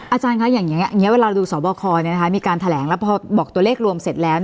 อาจารย์คะอย่างนี้เวลาดูสบคมีการแถลงแล้วพอบอกตัวเลขรวมเสร็จแล้ว